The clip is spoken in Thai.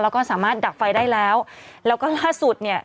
แล้วก็สามารถดับไฟได้แล้วแล้วก็ล่าสุดเนี่ย